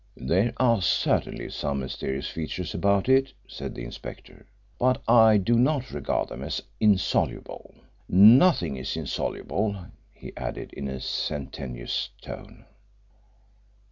"There are certainly some mysterious features about it," said the inspector. "But I do not regard them as insoluble. Nothing is insoluble," he added, in a sententious tone.